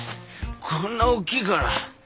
こんな大きいから。